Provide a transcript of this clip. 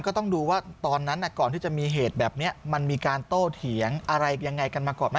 ก่อนที่จะมีเหตุแบบนี้มันมีการโต้เถียงอะไรยังไงก่อน